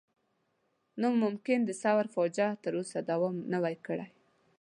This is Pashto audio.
نو ممکن د ثور فاجعه تر اوسه دوام نه وای کړی.